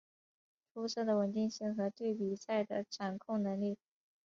出色的稳定性和对比赛的掌控能力。